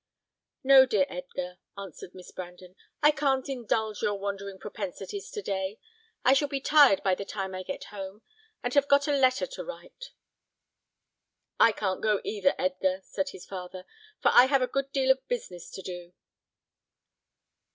"No, dear Edgar," answered Miss Brandon, "I can't indulge your wandering propensities to day. I shall be tired by the time I get home, and have got a letter to write." "I can't go either, Edgar," said his father; "for I have a good deal of business to do."